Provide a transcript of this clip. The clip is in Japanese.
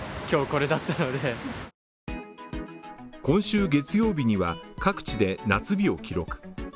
今週月曜日には各地で夏日を記録。